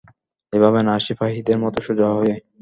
এভাবে না, সিপাহী দের মতো সোজা হয়ে।